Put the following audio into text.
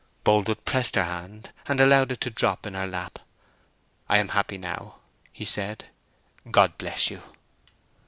Boldwood pressed her hand, and allowed it to drop in her lap. "I am happy now," he said. "God bless you!"